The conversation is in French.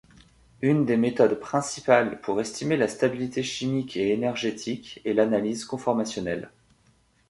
Une des méthodes principales pour estimer la stabilité chimique et énergétique est l'analyse conformationnelle.